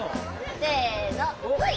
せのほい！